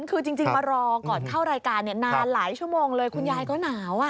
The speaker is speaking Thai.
คือจริงมารอก่อนเข้ารายการนานหลายชั่วโมงเลยคุณยายก็หนาว